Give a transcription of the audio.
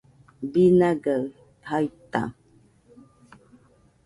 binagai jaita